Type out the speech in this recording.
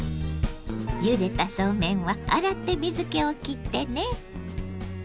ゆでたそうめんは洗って水けをきってね。